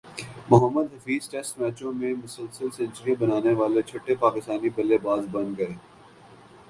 Mohammad Hafeez test میچوں میں مسلسل سنچریاںبنانیوالے چھٹے پاکستانی بلے باز بن گئے